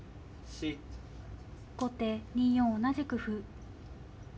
後手２四同じく歩。